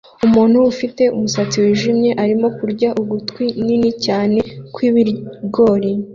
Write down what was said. Umuntu ufite umusatsi wijimye arimo kurya ugutwi nini cyane kwibigori